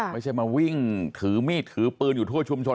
ไม่ใช่มาวิ่งถือมีดถือปืนอยู่ทั่วชุมชน